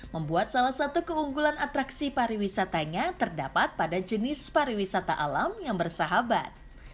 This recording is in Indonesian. membuat salah satu keunggulan atraksi pariwisatanya terdapat pada jenis pariwisata alam yang bersahabat